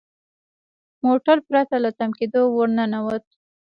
موټر پرته له تم کیدو ور ننوت.